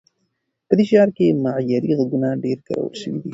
په دې شعر کې معیاري غږونه ډېر کارول شوي دي.